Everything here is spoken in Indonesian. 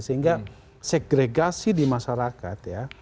sehingga segregasi di masyarakat ya